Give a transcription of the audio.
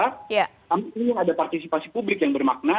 kami ingin ada partisipasi publik yang bermakna